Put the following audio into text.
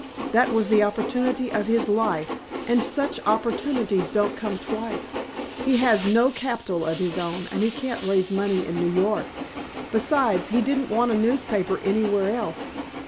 That was the opportunity of his life, and such opportunities don't come twice. He has no capital of his own, and he can't raise money in New York. Besides, he didn't want a newspaper anywhere else.